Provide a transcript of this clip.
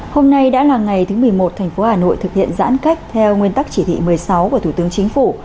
hôm nay đã là ngày thứ một mươi một thành phố hà nội thực hiện giãn cách theo nguyên tắc chỉ thị một mươi sáu của thủ tướng chính phủ